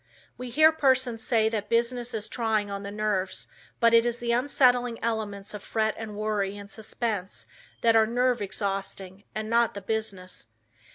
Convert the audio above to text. We hear persons say that business is trying on the nerves, but it is the unsettling elements of fret and worry and suspense that are nerve exhausting and not the business.